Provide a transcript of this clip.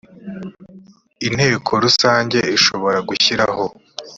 inteko rusange ishobora gushyiraho